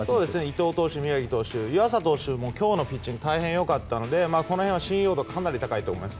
伊藤投手、宮城投手湯浅投手も今日のピッチングかなり良かったので信頼度は高いと思います。